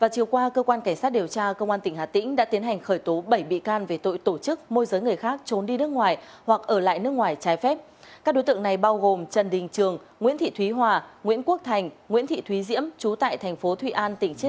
các bạn hãy đăng ký kênh để ủng hộ kênh của chúng mình nhé